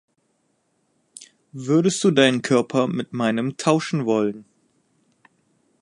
Würdest du deinen Körper mit meinem tauschen wollen?